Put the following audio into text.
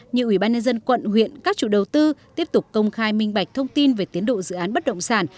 như ủy ban nhân dân quận huyện các chủ đầu tư tiếp tục công khai minh bạch thông tin về tiến độ dự án bất động sản